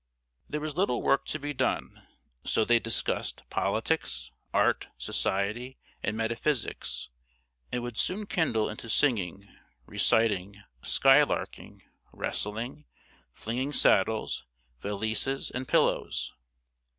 There was little work to be done; so they discussed politics, art, society, and metaphysics; and would soon kindle into singing, reciting, "sky larking," wrestling, flinging saddles, valises, and pillows.